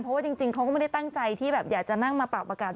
เพราะว่าจริงเขาก็ไม่ได้ตั้งใจที่แบบอยากจะนั่งมาปากประกาศ